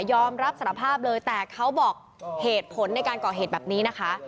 อมรับสารภาพเลยแต่เขาบอกเหตุผลในการก่อเหตุแบบนี้นะคะ